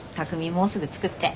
もうすぐ着くって。